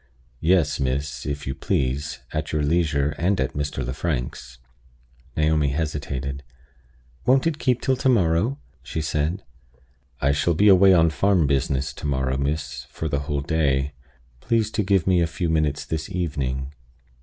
"Yes, miss, if you please, at your leisure and at Mr. Lefrank's." Naomi hesitated. "Won't it keep till to morrow?" she said. "I shall be away on farm business to morrow, miss, for the whole day. Please to give me a few minutes this evening."